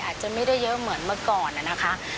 อาจจะไม่ได้เยอะเหมือนเมื่อก่อนนะคะ